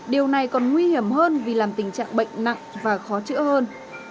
điều này còn nguy hiểm hơn vì làm tình trạng bệnh nặng và khó chữa hơn